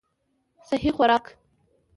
سهي خوراک